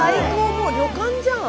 もう旅館じゃん。